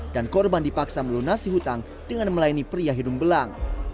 dan korban dipaksa melunasi hutang dengan melayani pria hidung belang